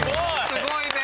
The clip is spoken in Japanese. すごいね。